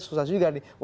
susah juga nih